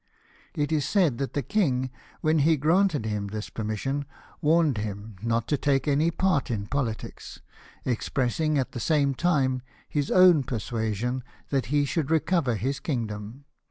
It is said that the king, when he granted him this permission, warned him not to take any part in politics ; expressing, at the same time, his own persuasion that he should recover his kingdom.